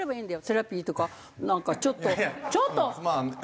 セラピーとかなんかちょっとちょっとかければ。